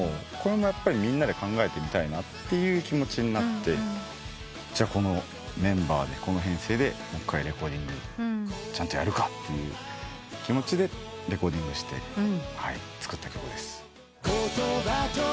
みんなで考えてみたいって気持ちになってこのメンバーでこの編成でもう１回レコーディングちゃんとやるかっていう気持ちでレコーディングして作った曲です。